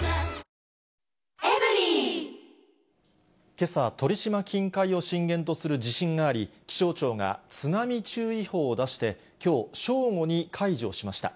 けさ、鳥島近海を震源とする地震があり、気象庁が津波注意報を出して、きょう正午に解除しました。